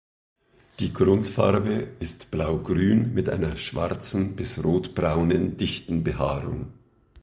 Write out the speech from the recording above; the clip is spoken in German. Die Grundfarbe ist blaugrün mit einer schwarzen bis rotbraunen dichten Behaarung.